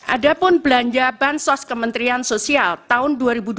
ada pun belanja bansos kementerian sosial tahun dua ribu dua puluh